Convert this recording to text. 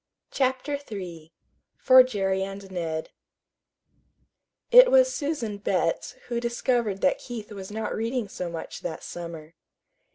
CHAPTER III FOR JERRY AND NED It was Susan Betts who discovered that Keith was not reading so much that summer.